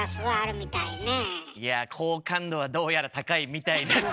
いや好感度はどうやら高いみたいです。